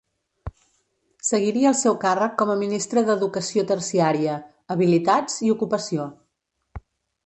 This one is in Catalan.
Seguiria el seu càrrec com a Ministre d'Educació Terciària, Habilitats i Ocupació.